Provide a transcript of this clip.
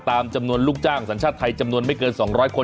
ตามจำนวนลูกจ้างสัญชาติไทยจำนวนไม่เกิน๒๐๐คน